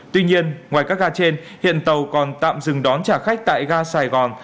tuy nhiên ngoài các ga trên hiện tàu còn tạm dừng đón trả khách tại ga sài gòn